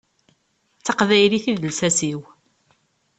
D taqbaylit i d lsas-iw.